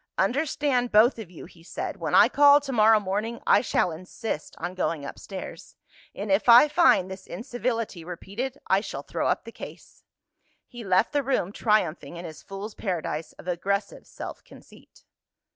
"Understand, both of you," he said, "when I call to morrow morning, I shall insist on going upstairs and if I find this incivility repeated, I shall throw up the case." He left the room, triumphing in his fool's paradise of aggressive self conceit.